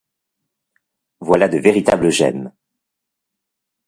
Voilà de véritables gemmes!...